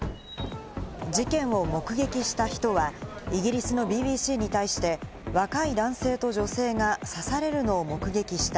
事件を目撃した人は、イギリスのＢＢＣに対して、若い男性と女性が刺されるのを目撃した。